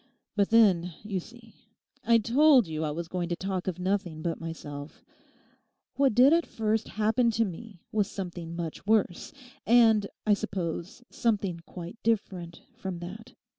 But then, you see—I told you I was going to talk of nothing but myself—what did at first happen to me was something much worse, and, I suppose, something quite different from that.